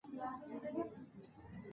هره ورځ به يو بل سره وينو